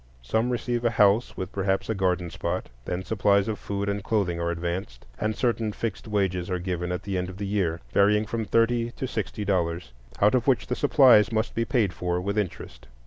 Some receive a house with perhaps a garden spot; then supplies of food and clothing are advanced, and certain fixed wages are given at the end of the year, varying from thirty to sixty dollars, out of which the supplies must be paid for, with interest.